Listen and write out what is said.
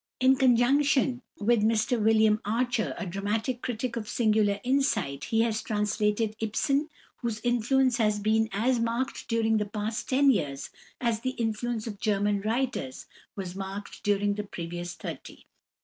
In conjunction with Mr William Archer a dramatic critic of singular insight he has translated Ibsen, whose influence has been as marked during the past ten years as the influence of German writers was marked during the previous thirty.